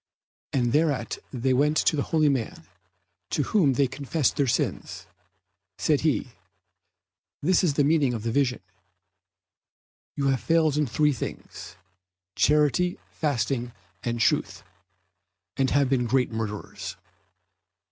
And thereat they went to a holy man to whom they confessed their sins. Said he, "This is the meaning of the vision: you have failed in three things, charity, fasting, and truth, and have been great murderers."